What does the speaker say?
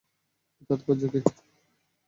এর তাৎপর্য কী?